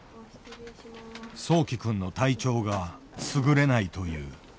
そうき君の体調がすぐれないという。